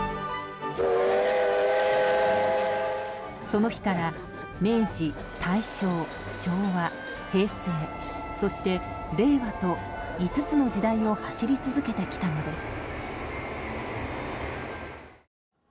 その日から明治、大正、昭和、平成そして令和と、５つの時代を走り続けてきたのです。